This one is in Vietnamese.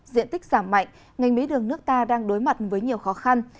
diện tích giảm mạnh ngành bí đường nước ta đang đối mặt với nhiều khó khăn